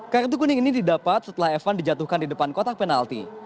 kartu kuning ini didapat setelah evan dijatuhkan di depan kotak penalti